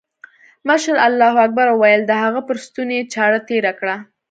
مشر الله اکبر وويل د هغه پر ستوني يې چاړه تېره کړه.